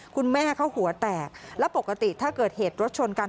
คุณแม่เขาหัวแตกแล้วปกติถ้าเกิดเหตุรถชนกัน